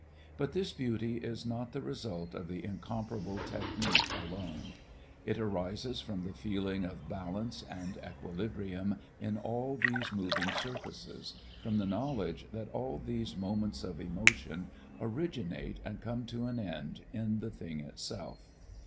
But this beauty is not the result of the incomparable technique alone. It rises from the feeling of balance and equilibrium in all these moving surfaces, from the knowledge that all these moments of emotion originate and come to an end in the thing itself.